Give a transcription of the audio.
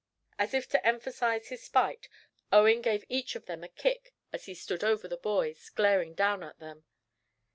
As if to emphasize his spite, Owen gave each of them a kick as he stood over the boys, glaring down at them.